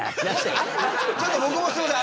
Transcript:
ちょっと僕もすいません